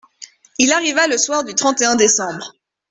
Il arriva le soir du trente et un décembre.